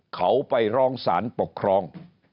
เขาไปร้องสารปกครอง